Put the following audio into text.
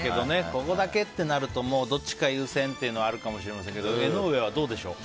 ここだけってなるとどっちか優先っていうのはあるかもしれませんけど江上はどうでしょう。